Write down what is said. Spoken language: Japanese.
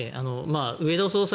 植田総裁